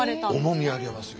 重みありますよね。